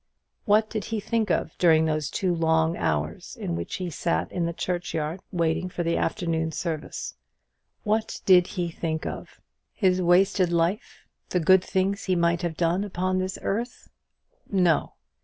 What did he think of during those two long hours in which he sat in the churchyard waiting for the afternoon service? What did he think of? His wasted life; the good things he might have done upon this earth? No!